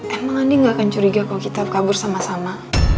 emang andi gak akan curiga kalau kita kabur sama sama